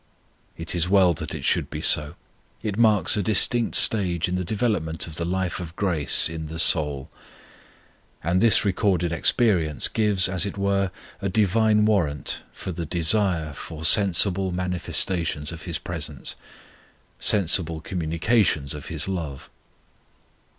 It is well that it should be so; it marks a distinct stage in the development of the life of grace in the soul. And this recorded experience gives, as it were, a Divine warrant for the desire for sensible manifestations of His presence sensible communications of His love.